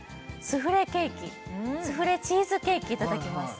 スフレケーキスフレチーズケーキいただきます